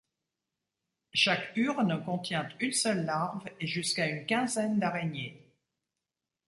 Chaque urne contient une seule larve, et jusqu'à une quinzaine d'araignées.